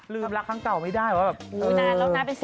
ลืมรักครั้งเก่าไม่ได้ว่าแบบ